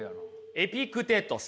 エピクテトス。